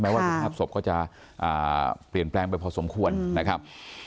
แม้ว่ากลางทับสบก็จะเปลี่ยนแปลงไปพอสมควรนะครับ